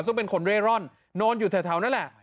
ซึ่งเป็นคนเร่ร่อนนอนอยู่แถวนั่นแหละ